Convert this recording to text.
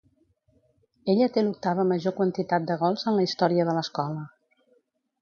Ella té l'octava major quantitat de gols en la història de l'escola.